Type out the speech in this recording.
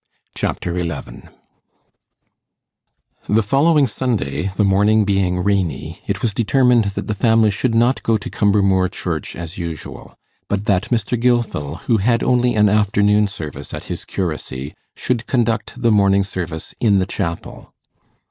Chapter 11 The following Sunday, the morning being rainy, it was determined that the family should not go to Cumbermoor Church as usual, but that Mr. Gilfil, who had only an afternoon service at his curacy, should conduct the morning service in the chapel.